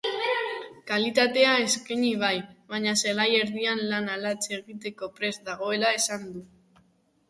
Kalitatea eskaini bai baina zelai erdian lana latz egiteko prest dagoela esan du.